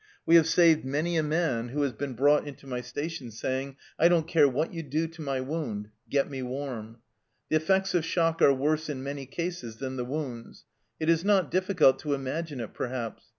We have saved many a man who has been 222 THE CELLAR HOUSE OF PERVYSE brought into my station saying, ' I don't care what you do to my wound ; get me warm.' The effects of shock are worse in many cases than the wounds. It is not difficult to imagine it perhaps.